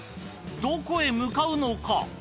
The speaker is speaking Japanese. どこへ向かうのか？